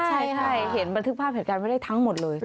ใช่เห็นบันทึกภาพเหตุการณ์ไว้ได้ทั้งหมดเลย